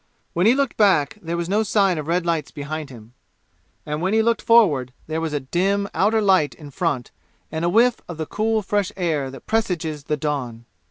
When he looked back there was no sign of red lights behind him. And when he looked forward, there was a dim outer light in front and a whiff of the cool fresh air that presages the dawn!